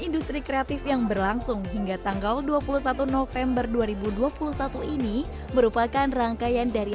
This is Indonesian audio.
industri kreatif yang berlangsung hingga tanggal dua puluh satu november dua ribu dua puluh satu ini merupakan rangkaian dari